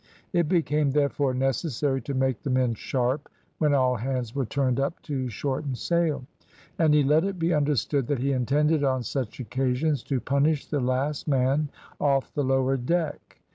It became therefore necessary to make the men sharp when all hands were turned up to shorten sail; and he let it be understood that he intended on such occasions to punish the last man off the lower deck.